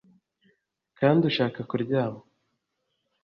kandi ushaka kuryama